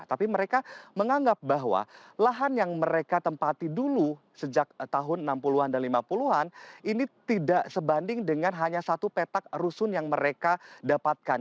tapi mereka menganggap bahwa lahan yang mereka tempati dulu sejak tahun enam puluh an dan lima puluh an ini tidak sebanding dengan hanya satu petak rusun yang mereka dapatkan